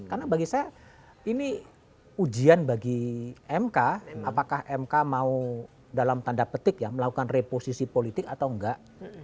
karena bagi saya ini ujian bagi mk apakah mk mau dalam tanda petik ya melakukan reposisi politik atau enggak